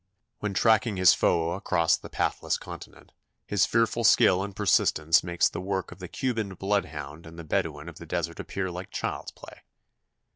When tracking his foe across the pathless continent, his fearful skill and persistence make the work of the Cuban bloodhound and the Bedouin of the desert appear like child's play.